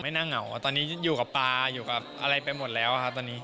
น่าเหงาตอนนี้อยู่กับปลาอยู่กับอะไรไปหมดแล้วครับตอนนี้